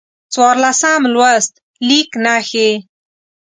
څوارلسم لوست: لیک نښې